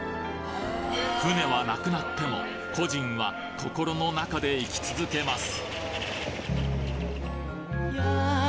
船はなくなっても故人は心の中で生き続けます